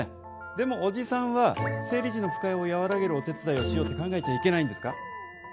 でも、おじさんは生理時の不快を和らげるお手伝いをしようって考えちゃいけないんですか？